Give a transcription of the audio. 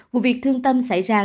một việc thương tâm xảy ra